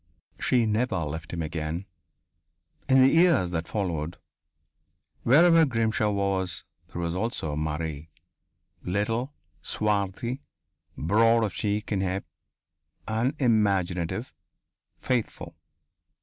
She never left him again. In the years that followed, wherever Grimshaw was, there also was Marie little, swarthy, broad of cheek and hip, unimaginative, faithful.